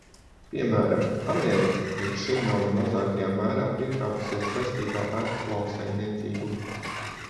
Piemēram, Amerika līdz šim nav ne mazākajā mērā piekāpusies saistībā ar lauksaimniecību.